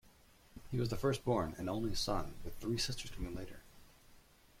He was the first-born, and only son with three sisters coming later.